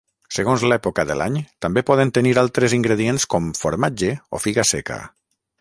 Segons l'època de l'any, també poden tenir altres ingredients com formatge o figa seca.